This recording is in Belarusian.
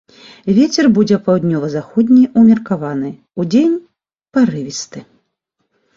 Вецер будзе паўднёва-заходні ўмеркаваны, удзень парывісты.